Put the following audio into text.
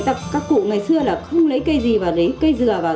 tức là các cụ ngày xưa là không lấy cây gì vào lấy cây dừa vào